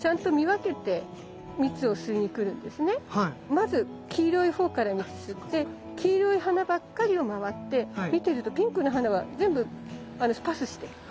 まず黄色い方から吸って黄色い花ばっかりを回って見てるとピンクの花は全部パスしてる。